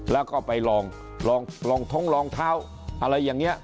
แล้วก็ไปลองท้องรองเท้าอะไรอย่างนี้